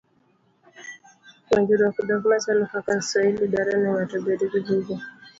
Puonjruok dhok machalo kaka Swahili, dwaro ni ng'ato obed gi buge.